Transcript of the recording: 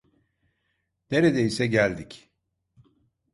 Nerdeyse geldik.